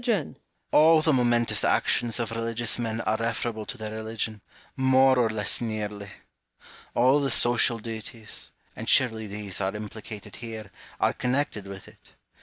All the momentous actions of religious men are referable to their religion, more or less nearly ; all the social duties, and surely these are implicated here, are connected with it.